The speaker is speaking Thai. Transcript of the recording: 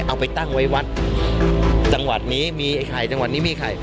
เอาไปตั้งไว้วัดจังหวัดนี้มีไอ้ไข่จังหวัดนี้มีไข่